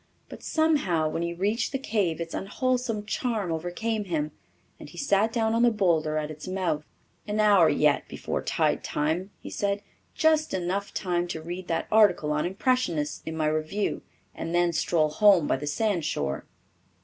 But somehow when he reached the cave its unwholesome charm overcame him, and he sat down on the boulder at its mouth. "An hour yet before tide time," he said. "Just enough time to read that article on impressionists in my review and then stroll home by the sandshore."